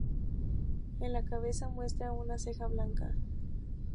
En la cabeza muestra una ceja blanca.